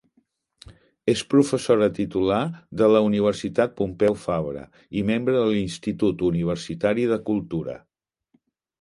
És professora titular de la Universitat Pompeu Fabra i membre de l’Institut Universitari de Cultura.